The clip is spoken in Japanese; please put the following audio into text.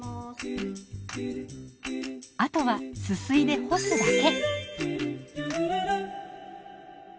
あとはすすいで干すだけ。